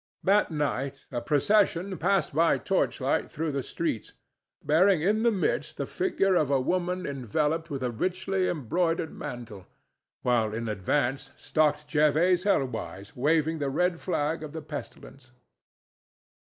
That night a procession passed by torchlight through the streets, bearing in the midst the figure of a woman enveloped with a richly embroidered mantle, while in advance stalked Jervase Helwyse waving the red flag of the pestilence.